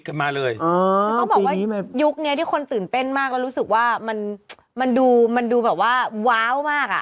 ก็บอกว่ายุคนี้ที่คนตื่นเต้นมากแล้วรู้สึกว่ามันดูแบบว้าวมากอะ